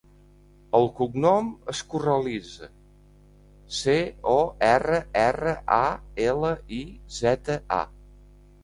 El cognom és Corraliza: ce, o, erra, erra, a, ela, i, zeta, a.